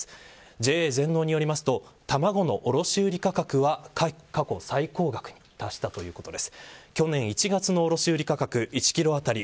ＪＡ全農によりますと卵の卸売価格は過去最高額に達したということです。